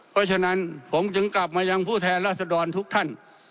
เพราะฉะนั้นผมจึงกลับมายังผู้แทนราษฎรทุกท่าน